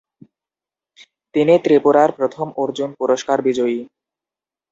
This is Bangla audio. তিনি ত্রিপুরার প্রথম অর্জুন পুরষ্কার বিজয়ী।